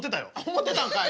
思ってたんかい。